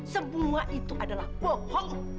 semua itu adalah bohong